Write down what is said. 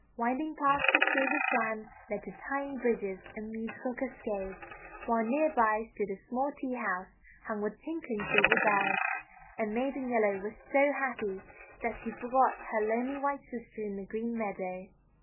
Winding paths of silver sand led to tiny bridges and musical cascades, while near by stood a small tea house hung with tinkling silver bells. And Maiden Yellow was so happy that she forgot her lonely white sister in the green meadow.